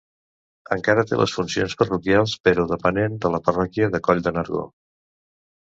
Encara té les funcions parroquials però depenent de la parròquia de Coll de Nargó.